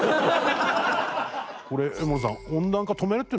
これ江守さん。